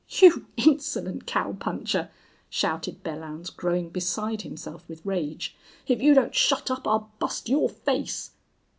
"You insolent cowpuncher!" shouted Belllounds, growing beside himself with rage. "If you don't shut up I'll bust your face."